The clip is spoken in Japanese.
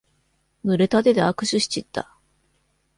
ぬれた手で握手しちった。